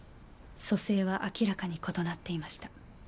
組成は明らかに異なっていました。